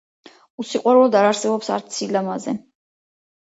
უსიყვარულოდ არ არსებობს არც სილამაზე,